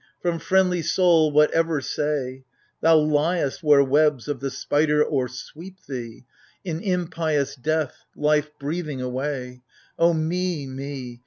From friendly soul what ever say ? Thou liest where webs of the spider o'ersweep thee ; In impious death, life breathing away. O me — me